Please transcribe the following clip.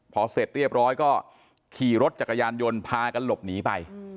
พอเสร็จเรียบร้อยก็ขี่รถจักรยานยนต์พากันหลบหนีไป